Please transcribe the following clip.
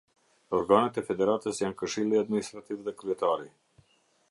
Organet e Federatës janë Këshilli Administrativ dhe Kryetari.